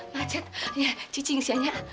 macet ya ciciingsianya